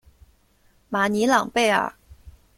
马尼朗贝尔。